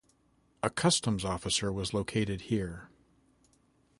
A customs officer was located here.